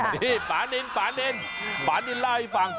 นี่ปานินปานินล่าให้ฟัง